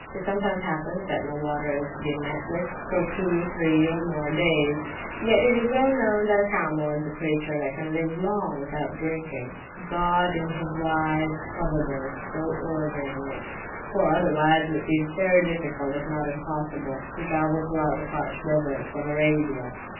It sometimes happens that no water is to be met with for two, three, or more days; but yet it is well known that a camel is a creature that can live long without drinking (God in his wise providence so ordering it: for otherwise it would be very difficult, if not impossible to travel through the parched deserts of Arabia).